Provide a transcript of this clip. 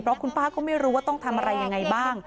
เพราะคุณป้าก็ไม่รู้ว่าต้องทำอะไรยังไงบ้าง